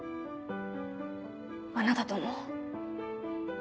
あなたとも。